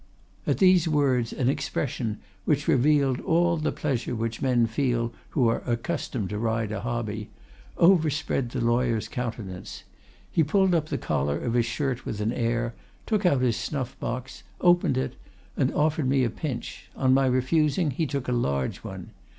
"At these words an expression, which revealed all the pleasure which men feel who are accustomed to ride a hobby, overspread the lawyer's countenance. He pulled up the collar of his shirt with an air, took out his snuffbox, opened it, and offered me a pinch; on my refusing, he took a large one.